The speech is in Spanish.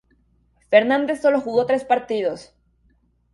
Fernández solo jugó tres partidos.